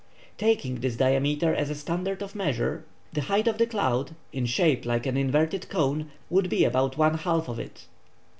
Taking this diameter as a standard of measure, the height of the cloud, in shape like an inverted cone, would be about one half of it.